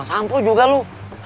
sampul juga lu